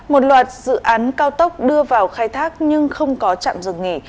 một loạt dự án cao tốc đưa vào khai thác nhưng không có trạm dừng nghỉ